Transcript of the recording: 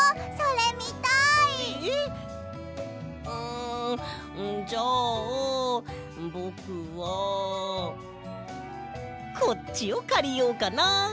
んじゃあぼくはこっちをかりようかな。